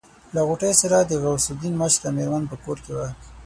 له غوټۍ سره د غوث الدين مشره مېرمن په کور کې وه.